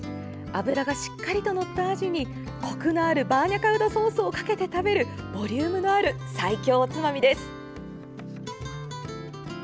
脂がしっかりとのったアジにコクのあるバーニャカウダソースをかけて食べる、ボリュームのある最強おつまみです。